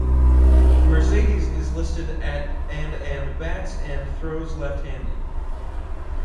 Mercedes is listed at and and bats and throws left handed.